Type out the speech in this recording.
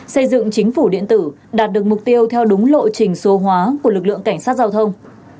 xây dựng chính phủ điện tử đạt được mục tiêu theo đúng lộ trình số hóa của lực lượng cảnh sát giao thông